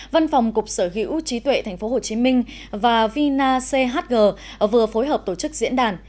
văn phòng cục sở hữu trí tuệ tp hcm và vinachg vừa phối hợp tổ chức diễn đàn